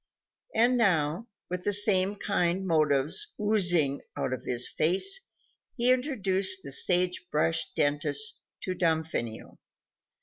And now, with the same kind motives oozing out of his face, he introduced the sage brush dentist to Damfino.